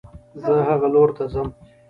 زه هغه لور ته ځم